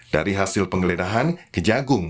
dari hasil penggeledahan kejagung